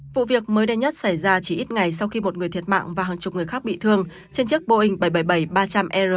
vụ việc mới đây nhất xảy ra chỉ ít ngày sau khi một người thiệt mạng và hàng chục người khác bị thương trên chiếc boeing bảy trăm bảy mươi bảy ba trăm linh r